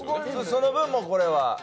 その分も、これは。